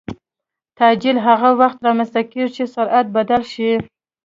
تعجیل هغه وخت رامنځته کېږي چې سرعت بدل شي.